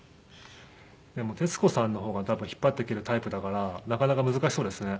でも徹子さんの方が多分引っ張っていけるタイプだからなかなか難しそうですね。